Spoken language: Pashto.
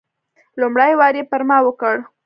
لومړی وار یې پر ما وکړ.